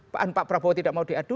pak prabowo tidak mau diadu